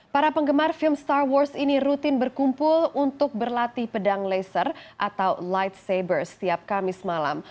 para penggemar film star wars ini rutin berkumpul untuk berlatih pedang laser atau light saber setiap kamis malam